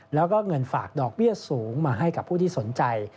แล้วก็เงินฝากดอกเบี้ยสูงมาให้กับผู้ที่สนใจ